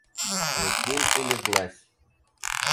Метель улеглась.